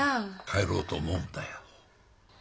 帰ろうと思うんだよ。